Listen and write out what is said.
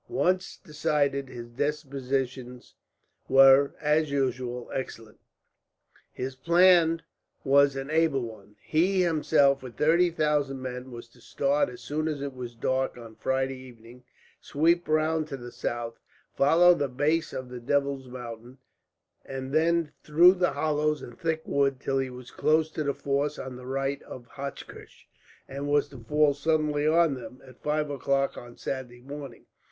Once decided, his dispositions were, as usual, excellent. [Map: Battle of Hochkirch] His plan was an able one. He himself, with thirty thousand men, was to start as soon as it was dark on Friday evening, sweep round to the south, follow the base of the Devil's Mountain, and then through the hollows and thick wood till he was close to the force on the right of Hochkirch; and was to fall suddenly on them, at five o'clock on Saturday morning.